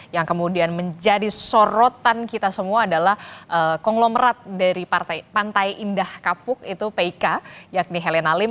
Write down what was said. yang kemudian menjadi sorotan kita semua adalah konglomerat dari pantai indah kapuk itu pik yakni helena lim